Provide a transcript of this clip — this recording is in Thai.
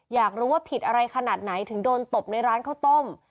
อยากรู้ว่าผิดอะไรขนาดไหนถึงโดนตบในร้านข้าวต้ม